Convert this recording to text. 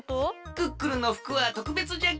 クックルンのふくはとくべつじゃけえのう。